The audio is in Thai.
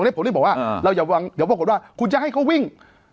แล้วตรงนี้เล่าผมบอกว่าสวัสดีคุณจะให้เค้าวิ่ง